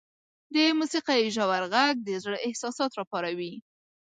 • د موسیقۍ ژور ږغ د زړه احساسات راپاروي.